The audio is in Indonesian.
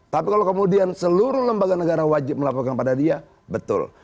tapi kalau kemudian seluruh lembaga negara wajib melaporkan pada dia betul